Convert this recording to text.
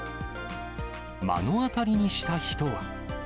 目の当たりにした人は。